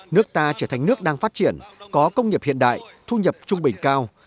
nước ta trở thành nước đang phát triển có công nghiệp hiện đại thu nhập trung bình cao